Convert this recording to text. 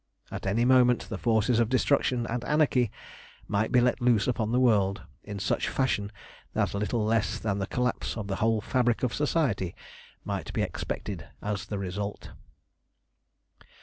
At any moment the forces of destruction and anarchy might be let loose upon the world, in such fashion that little less than the collapse of the whole fabric of Society might be expected as the result.